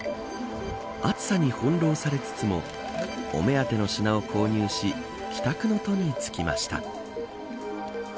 暑さに翻弄されつつもお目当ての品を購入し帰宅の途につきました。